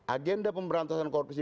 agenda pemberantasan korupsi